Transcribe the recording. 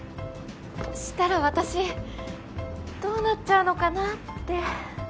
したら私どうなっちゃうのかなって。